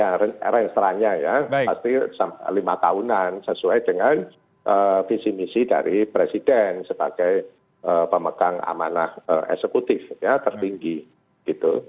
ya renstra nya ya pasti lima tahunan sesuai dengan visi misi dari presiden sebagai pemegang amanah eksekutif ya tertinggi gitu